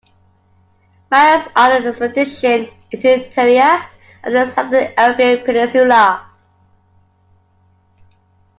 Miles on an expedition into the interior of the southern Arabian peninsula.